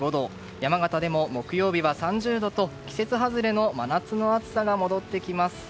山形でも木曜日は３０度と季節外れの真夏の暑さが戻ってきます。